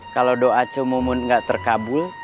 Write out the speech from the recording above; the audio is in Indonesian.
kalau doa cemumun gak terkabul